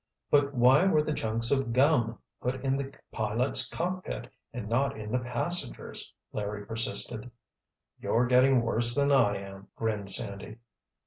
"But why were the chunks of gum put in the pilot's cockpit and not in the passenger's?" Larry persisted. "You're getting worse than I am," grinned Sandy.